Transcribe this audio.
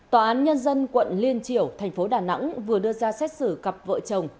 tòa án nhân dân quận liên triểu thành phố đà nẵng vừa đưa ra xét xử cặp vợ chồng